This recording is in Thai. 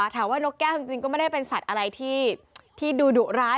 นกแก้วจริงก็ไม่ได้เป็นสัตว์อะไรที่ดูดุร้าย